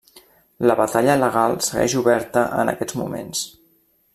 La batalla legal segueix oberta en aquests moments.